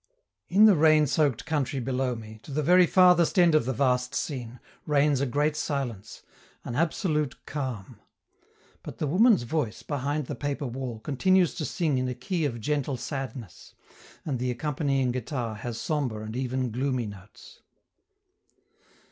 In the rain soaked country below me, to the very farthest end of the vast scene, reigns a great silence, an absolute calm. But the woman's voice, behind the paper wall, continues to sing in a key of gentle sadness, and the accompanying guitar has sombre and even gloomy notes.